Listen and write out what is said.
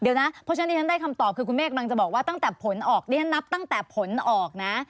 เดี๋ยวนะเพราะฉะนั้นที่ฉันได้คำตอบคือคุณเมฆกำลังจะบอกว่าตั้งแต่ผลออกดิฉันนับตั้งแต่ผลออกนะ